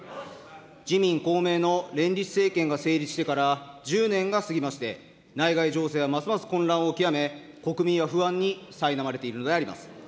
自民、公明の連立政権が成立してから、１０年が過ぎまして、内外情勢はますます混乱を極め、国民は不安にさいなまれているのであります。